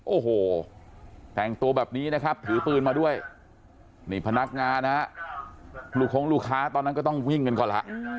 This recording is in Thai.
โอ้โหแต่งตัวแบบนี้นะครับถือปืนมาด้วยนี่พนักงานนะฮะลูกคงลูกค้าตอนนั้นก็ต้องวิ่งกันก่อนล่ะ